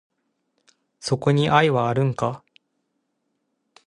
そこに愛はあるんか？